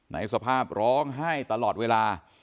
ในสภาพร้องไห้ตลอดเวลา